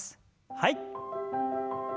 はい。